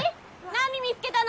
何見つけたの？